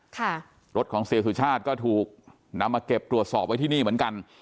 ค่ะรถของเสียสุชาติก็ถูกนำมาเก็บตรวจสอบไว้ที่นี่เหมือนกัน